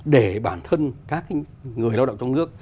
để bản thân các người lao động trong nước